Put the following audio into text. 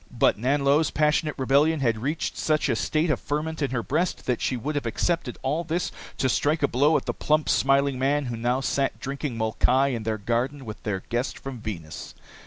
But Nanlo's passionate rebellion had reached such a state of ferment in her breast that she would have accepted all this to strike a blow at the plump, smiling man who now sat drinking molkai in their garden with their guest from Venus.